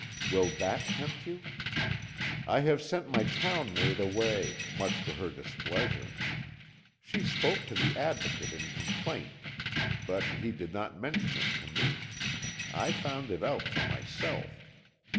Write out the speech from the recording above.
Will that tempt you? I have sent my town maid away, much to her displeasure; she spoke to the Advocate in complaint, but he did not mention it to me; I found it out for myself.